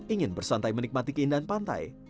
ingin bersantai menikmati keindahan pantai